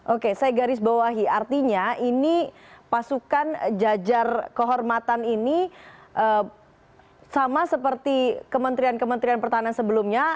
oke saya garis bawahi artinya ini pasukan jajar kehormatan ini sama seperti kementerian kementerian pertahanan sebelumnya